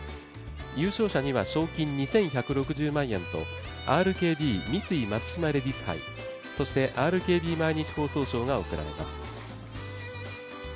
優勝者には賞金２１６０万円とＲＫＢ×三井松島レディス杯、そしてＲＫＢ毎日放送賞が贈られます。